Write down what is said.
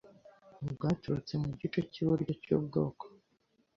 bwaturutse mu gice cy’iburyo cy’ubwoko